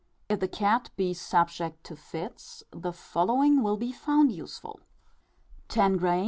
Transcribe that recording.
If the cat be subject to fits the following will be found useful: ℞ Bromid.